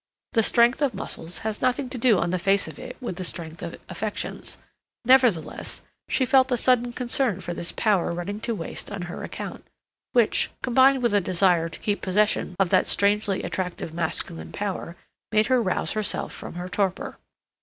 The strength of muscles has nothing to do on the face of it with the strength of affections; nevertheless, she felt a sudden concern for this power running to waste on her account, which, combined with a desire to keep possession of that strangely attractive masculine power, made her rouse herself from her torpor.